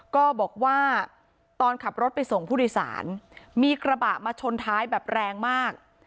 ก็บอกว่าตอนขับรถไปส่งผู้โดยสารมีกระบะมาชนท้ายแบบแรงมาก